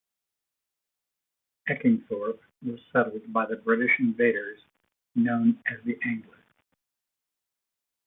Eckingthorp was settled by the British invaders known as the Angles.